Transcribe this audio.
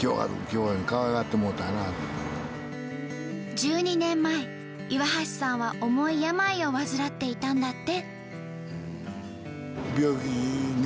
１２年前岩橋さんは重い病を患っていたんだって。